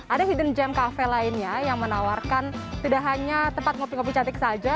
ada hidden gem cafe lainnya yang menawarkan tidak hanya tempat ngopi ngopi cantik saja